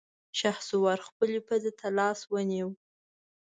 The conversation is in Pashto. شهسوار خپلې پزې ته لاس ونيو.